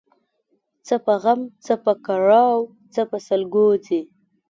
څه په غم ، څه په کړاو څه په سلګو ځي